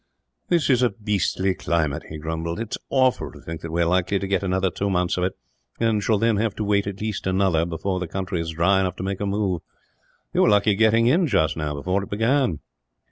"This is a beastly climate," he grumbled. "It is awful to think that we are likely to get another two months of it; and shall then have to wait at least another, before the country is dry enough to make a move. You were lucky in getting in, just now, before it began."